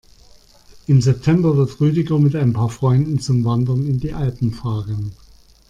Im September wird Rüdiger mit ein paar Freunden zum Wandern in die Alpen fahren.